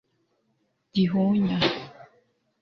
Gihunya